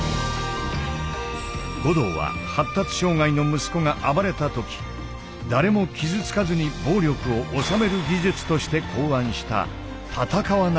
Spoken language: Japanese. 護道は発達障害の息子が暴れた時誰も傷つかずに暴力を収める技術として考案した「戦わない武術」。